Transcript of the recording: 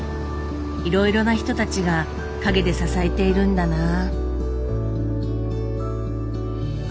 いろいろな人たちが陰で支えているんだなあ。